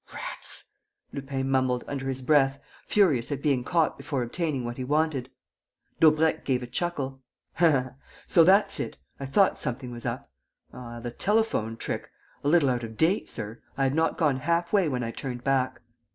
"Rats!" Lupin mumbled, under his breath, furious at being caught before obtaining what he wanted. Daubrecq gave a chuckle: "So that's it.... I thought something was up.... Ah, the telephone trick: a little out of date, sir! I had not gone half way when I turned back."